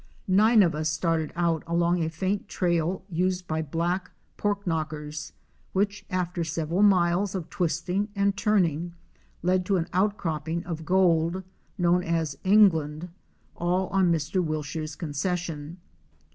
Nine of us started out along a faint trail used by black " pork knockers,"' eral miles of twisting and turning, led to an outcropping of which, after sev gold, known as " England," all on Mr. Wilshire's concession.